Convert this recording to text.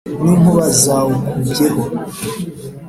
n'inkuba zawikubyeho.